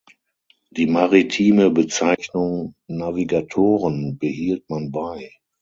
Die maritime Bezeichnung "Navigatoren" behielt man bei.